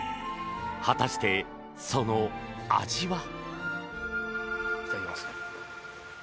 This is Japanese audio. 果たして、その味は？